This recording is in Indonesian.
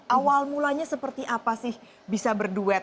awal mulanya seperti apa sih bisa berduet